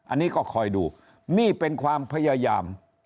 อันนี้ก็คอยดูนี่เป็นความพยายาม